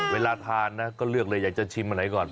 เวลาทานนะก็เลือกเลยอยากจะชิมอันไหนก่อน